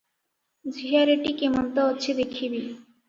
ଝିଆରିଟି କେମନ୍ତ ଅଛି ଦେଖିବି ।